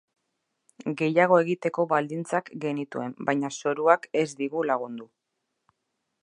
Gehiago egiteko baldintzak genituen baina zoruak ez digu lagundu.